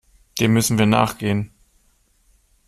Dem müssen wir nachgehen.